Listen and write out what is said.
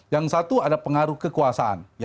yang satu ada pengaruh kekuasaan